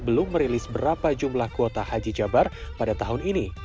belum merilis berapa jumlah kuota haji jabar pada tahun ini